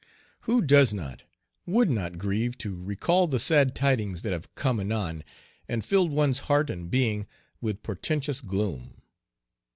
Who does not, would not grieve to recall the sad tidings that have come anon and filled one's heart and being with portentous gloom?